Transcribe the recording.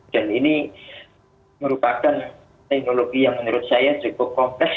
dan ini merupakan teknologi yang menurut saya cukup kompleks